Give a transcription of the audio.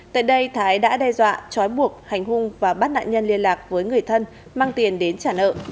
tại đây thái đã đe dọa trói buộc hành hung và bắt nạn nhân liên lạc với người thân mang tiền đến trả nợ